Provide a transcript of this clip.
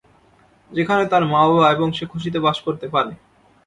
যেখানে তার মা বাবা এবং সে খুশিতে বাস করতে পারে।